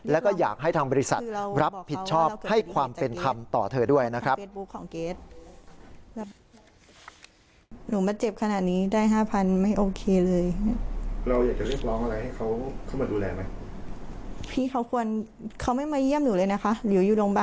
แล้วก็อยากให้ทางบริษัทรับผิดชอบให้ความเป็นธรรมต่อเธอด้วยนะครับ